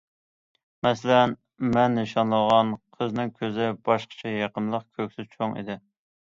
مەسىلەن، مەن نىشانلىغان قىزنىڭ كۆزى باشقىچە يېقىملىق، كۆكسى چوڭ ئىدى.